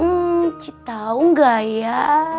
hmm citaung ga ya